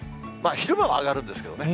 昼間は上がるんですけどね。